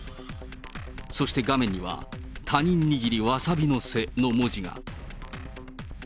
そして画面には、他人握りわさび乗せの文字が。